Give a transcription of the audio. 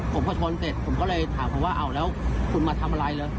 ผมก็ชนเสร็จผมก็เลยถามเขาก็ว่าเอาแล้วคุณมาทำอะไรเลย